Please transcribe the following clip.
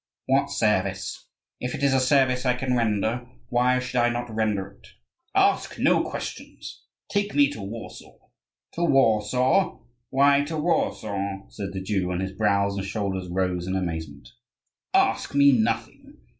"What service? If it is a service I can render, why should I not render it?" "Ask no questions. Take me to Warsaw." "To Warsaw? Why to Warsaw?" said the Jew, and his brows and shoulders rose in amazement. "Ask me nothing.